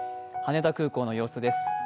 羽田空港の様子です。